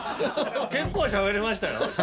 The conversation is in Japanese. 結構しゃべりましたよ